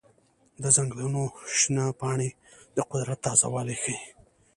د ځنګلونو شنه پاڼې د قدرت تازه والی ښيي.